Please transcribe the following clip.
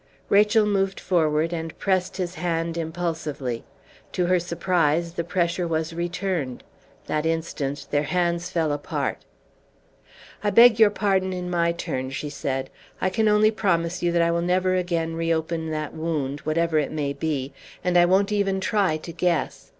Rachel moved forward and pressed his hand impulsively. To her surprise the pressure was returned. That instant their hands fell apart. "I beg your pardon in my turn," she said. "I can only promise you that I will never again reopen that wound whatever it may be and I won't even try to guess.